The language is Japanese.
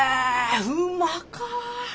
うまかぁ。